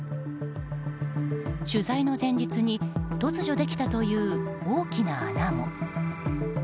取材の前日に突如できたという大きな穴も。